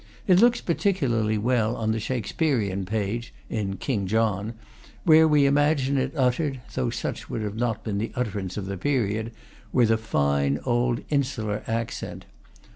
It looks particularly well on the Shakspearean page (in "King John"), where we imagine it uttered (though such would not have been the utterance of the period) with a fine old in sular accent.